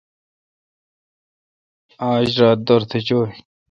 آج را دورتھ چوی۔